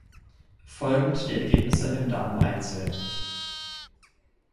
Folgend die Ergebnisse im Dameneinzel.